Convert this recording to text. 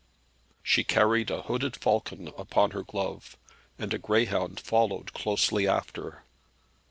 She carried a hooded falcon upon her glove, and a greyhound followed closely after.